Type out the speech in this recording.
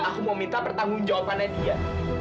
aku mau minta pertanggung jawabannya dia